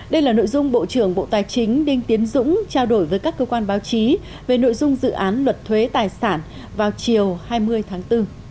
đây là nội dung bộ trưởng bộ tài chính đinh tiến dũng trao đổi với các cơ quan báo chí về nội dung dự án luật thuế tài sản vào chiều hai mươi tháng bốn